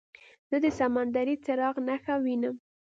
زه د سمندري څراغ نښه وینم.